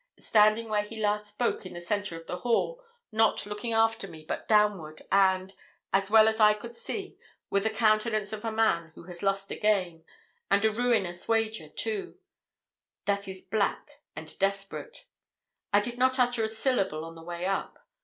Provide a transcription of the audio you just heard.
Standing where he last spoke in the centre of the hall, not looking after me, but downward, and, as well as I could see, with the countenance of a man who has lost a game, and a ruinous wager too that is black and desperate. I did not utter a syllable on the way up.